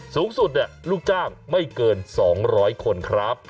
สูงสุดลูกจ้างไม่เกิน๒๐๐คนครับ